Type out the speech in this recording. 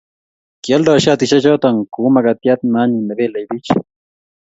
kioldoi shatishek choto ku makatiat neanyin nebelei biich